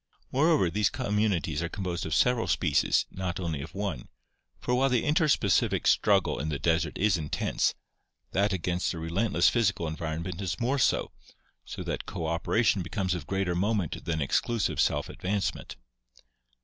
Moreover, these communities are composed of several species, not only of one, for while the inter specific struggle in the desert is intense, that against a relentless physical environment is more so, so that cooperation becomes of greater moment than exclusive self advancement.